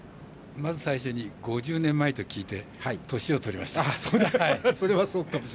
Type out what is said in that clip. まず最初に５０年前と聞いて年をとりました。